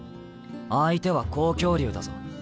相手は紅鏡竜だぞ。